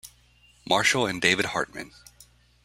Marshall and David Hartman.